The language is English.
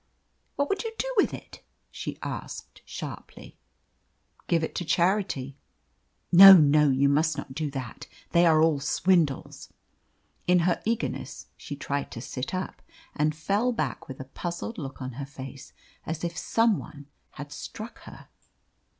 "What would you do with it?" she asked sharply. "Give it to a charity." "No, no, you must not do that; they are all swindles!" In her eagerness she tried to sit up, and fell back with a puzzled look on her face, as if some one had struck her.